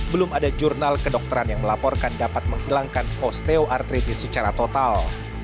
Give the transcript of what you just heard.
belum ada jurnal kedokteran yang melaporkan dapat menghilangkan osteoartritis secara total